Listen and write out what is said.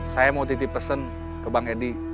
saya mau titip pesan ke bang edi